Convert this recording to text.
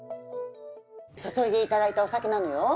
注いでいただいたお酒なのよ。